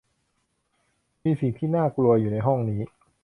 มีสิ่งที่น่ากลัวอยู่ในห้องนี้